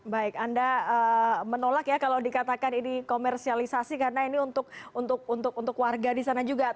baik anda menolak ya kalau dikatakan ini komersialisasi karena ini untuk warga di sana juga